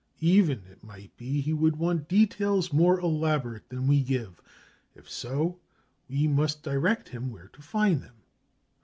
Even, it might be, he would want details more elaborate than we give. If so, we must direct him where to find them.